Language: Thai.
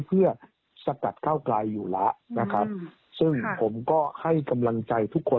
เพื่อสกัดเก้าไกลอยู่แล้วนะครับซึ่งผมก็ให้กำลังใจทุกคน